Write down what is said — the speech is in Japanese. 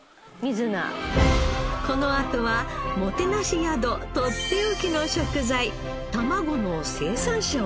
このあとはもてなし宿とっておきの食材たまごの生産者を訪ねます